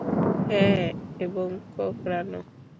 হ্যাঁ, এবং কোঁকড়ানো।